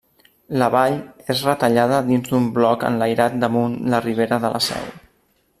La vall és retallada dins un bloc enlairat damunt la ribera de la Seu.